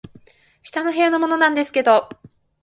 「下の部屋のものなんですけど」